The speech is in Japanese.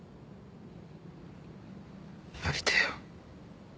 やりてえよ。